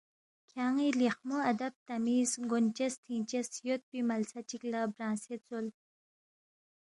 کھیان٘ی لیخمو اَدب تمیز، گونچس تِھنگچس یودپی ملسہ چِک لہ برانگسے ژول